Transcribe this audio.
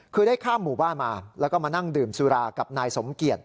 คือได้ข้ามหมู่บ้านมาแล้วก็มานั่งดื่มสุรากับนายสมเกียจ